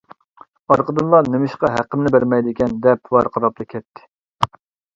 ئارقىدىنلا، نېمىشقا ھەققىمنى بەرمەيدىكەن، دەپ ۋارقىراپلا كەتتى.